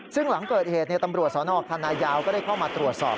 ซึ่งหลังเกิดเหตุตำรวจสนคณะยาวก็ได้เข้ามาตรวจสอบ